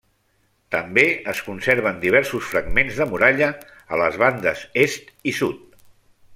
També es conserven diversos fragments de muralla a les bandes est i sud.